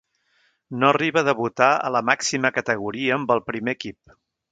No arriba a debutar a la màxima categoria amb el primer equip.